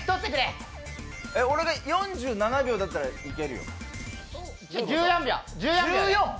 俺が４７秒だったらいいの？